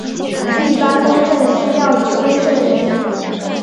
一般公证需要有公证人。